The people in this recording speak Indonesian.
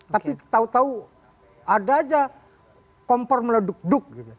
tapi tau tau ada aja kompor meleduk duk gitu